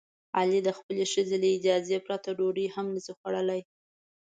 علي د خپلې ښځې له اجازې پرته ډوډۍ هم نشي خوړلی.